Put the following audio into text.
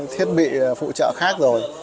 thiết bị phụ trợ khác rồi